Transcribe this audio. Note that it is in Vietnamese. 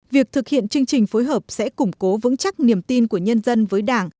việc thực hiện chương trình phối hợp sẽ củng cố vững chắc niềm tin của nhân dân với đảng